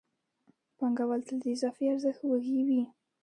پانګوال تل د اضافي ارزښت وږی وي